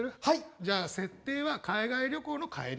じゃあ設定は海外旅行の帰り。